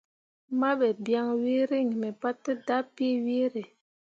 Mahɓe biaŋ wee reŋ mi pate dapii weere.